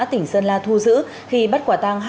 tỉnh sơn la thu giữ khi bắt quả tàng